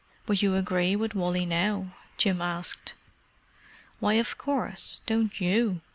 "But you agree with Wally, now?" Jim asked. "Why, of course—don't you?